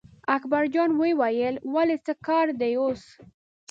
اکبرجان وویل ولې څه کار دی اوس.